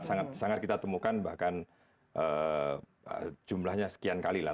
sangat sangat kita temukan bahkan jumlahnya sekian kali lah